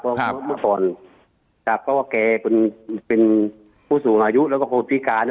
เพราะว่าแกเป็นผู้สูงอายุแล้วก็คนพิการ